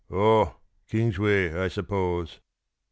"Oh! Kingsway, I suppose."